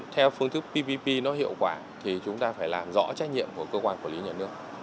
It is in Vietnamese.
theo phương thức ppp nó hiệu quả thì chúng ta phải làm rõ trách nhiệm của cơ quan quản lý nhà nước